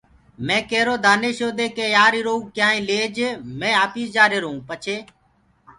مي ڪيرو دآنيشو دي ڪي يآر ايٚرو ڪيآئونٚ ليج مي آپيس جآهرونٚ پڇي